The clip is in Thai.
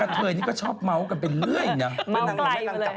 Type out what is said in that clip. เธอยังชอบเมาท์กันเป็นเรื่อยอย่างนี้